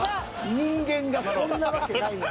人間がそんなわけないのよ。